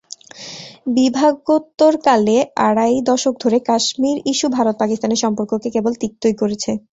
বিভাগোত্তরকালে আড়াই দশক ধরে কাশ্মীর ইস্যু ভারত-পাকিস্তানের সম্পর্ককে কেবল তিক্তই করেছে।